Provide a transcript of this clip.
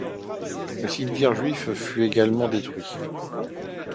Le cimetière juif fut également détruit.